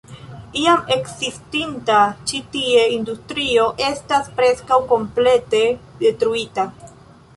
Iam ekzistinta ĉi tie industrio estas preskaŭ komplete detruita.